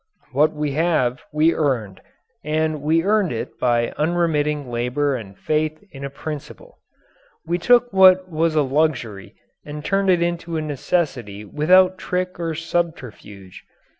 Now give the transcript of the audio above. What we have, we earned, and we earned it by unremitting labour and faith in a principle. We took what was a luxury and turned it into a necessity and without trick or subterfuge.